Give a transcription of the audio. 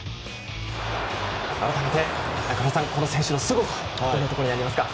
改めて、中村さんこの選手のすごさはどんなところにありますか？